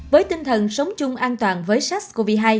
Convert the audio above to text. với tinh thần sống chung an toàn với sars cov hai